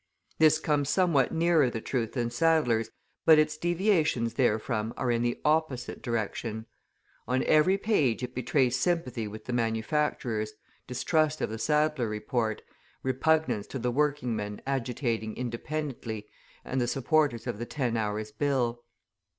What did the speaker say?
This comes somewhat nearer the truth than Sadler's, but its deviations therefrom are in the opposite direction. On every page it betrays sympathy with the manufacturers, distrust of the Sadler report, repugnance to the working men agitating independently and the supporters of the Ten Hours' Bill.